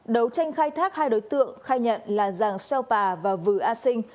đấu tranh khai thác hai đối tượng khai nhận là giàng sèo pà và vừa a sinh